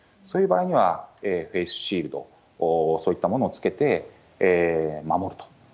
そういう場合、フェースシールド、そういったものを着けて守ると。